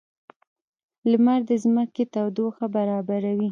• لمر د ځمکې تودوخه برابروي.